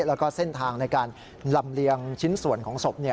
แล้วก็เส้นทางในการลำเลียงชิ้นส่วนของศพ